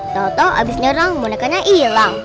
tau tau abis nyerang bonekanya ilang